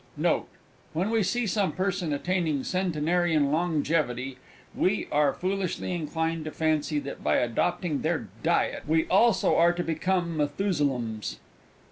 Note. When we see some person attaining Centenarian longevity, we are foolishly inclined to fancy that, by adopting their diet, we also are to become Methusalems!